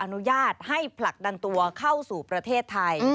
อนุญาตให้ผลักดันตัวเข้าสู่ประเทศไทย